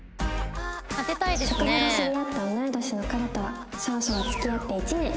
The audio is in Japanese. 職場で知り合った同い年の彼とはそろそろ付き合って１年